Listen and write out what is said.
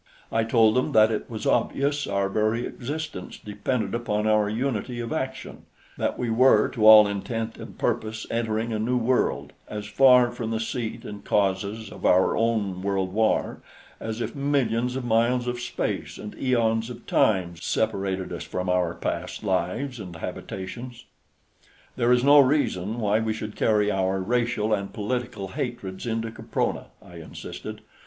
I told them that it was obvious our very existence depended upon our unity of action, that we were to all intent and purpose entering a new world as far from the seat and causes of our own world war as if millions of miles of space and eons of time separated us from our past lives and habitations. "There is no reason why we should carry our racial and political hatreds into Caprona," I insisted.